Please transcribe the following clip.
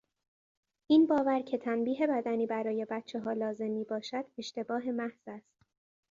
این باور کهتنبیه بدنی برای بچهها لازم میباشد اشتباه محض است.